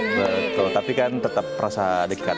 betul tapi kan tetap rasa dekat